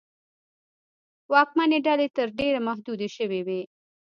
واکمنې ډلې تر ډېره محدودې شوې وې.